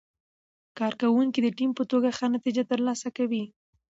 کارکوونکي د ټیم په توګه ښه نتیجه ترلاسه کوي